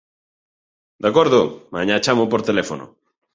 De acordo? Mañá chamo por teléfono